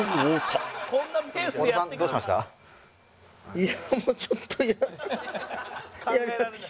いやもうちょっと嫌だ。